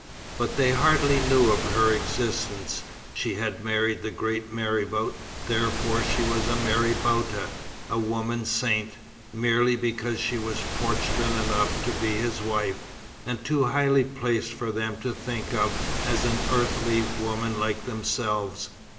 But they hardly knew of her existence. She had married the great marabout, therefore she was a marabouta, or woman saint, merely because she was fortunate enough to be his wife, and too highly placed for them to think of as an earthly woman like themselves.